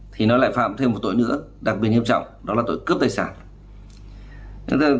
thì nó lại phạm thêm một tội nữa đặc biệt nghiêm trọng đó là tội cướp tài sản